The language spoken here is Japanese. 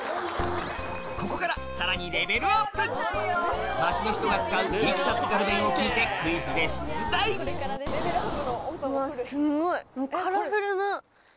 ここからさらに街の人が使う生きた津軽弁を聞いてクイズで出題うわっすごい。